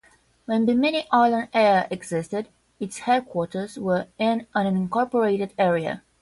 When Bimini Island Air existed, its headquarters were in an unincorporated area.